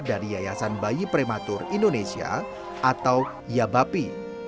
dari yayasan bayi prematur indonesia atau yabapi